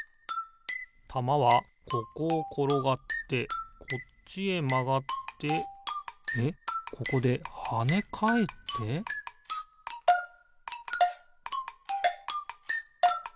たまはここをころがってこっちへまがってえっここではねかえってピッ！